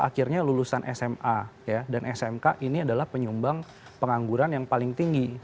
akhirnya lulusan sma dan smk ini adalah penyumbang pengangguran yang paling tinggi